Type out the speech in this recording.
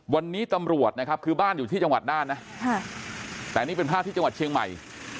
วันนี้ตำรวจนะครับคือบ้านอยู่ที่จังหวัดน่านนะแต่นี่เป็นภาพที่จังหวัดเชียงใหม่